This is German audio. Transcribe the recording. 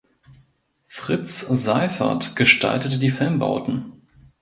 Fritz Seyffert gestaltete die Filmbauten.